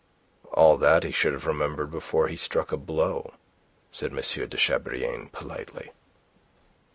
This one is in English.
"All that he should have remembered before he struck a blow," said M. de Chabrillane, politely.